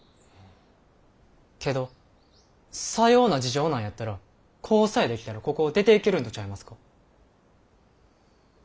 けどさような事情なんやったら子さえできたらここを出ていけるんとちゃいますか？